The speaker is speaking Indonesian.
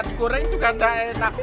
dikoreng juga enak